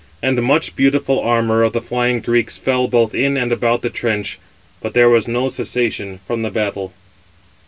And much beautiful armour of the flying Greeks fell both in and about the trench; but there was no cessation from the battle.